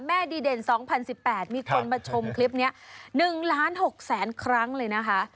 ดีเด่น๒๐๑๘มีคนมาชมคลิปนี้๑ล้าน๖แสนครั้งเลยนะคะ